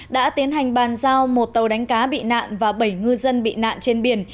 đã tiến hành bàn giao một tàu đánh cá bị nạn và bảy ngư dân bị nạn trên biển